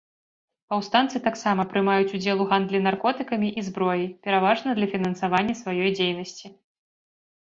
Паўстанцы таксама прымаюць удзел у гандлі наркотыкамі і зброяй, пераважна для фінансавання сваёй дзейнасці.